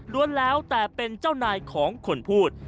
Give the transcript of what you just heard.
แล้วแต่เป็นเจ้านายของคนพูด